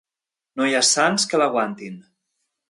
No hi ha sants que l'aguantin.